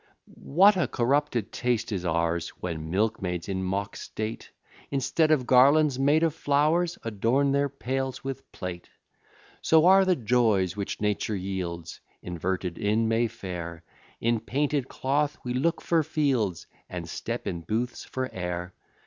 II What a corrupted taste is ours When milk maids in mock state Instead of garlands made of Flowers Adorn their pails with plate. III So are the joys which Nature yields Inverted in May Fair, In painted cloth we look for fields, And step in Booths for air.